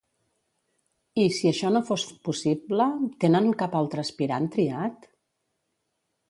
I si això no fos possible, tenen cap altre aspirant triat?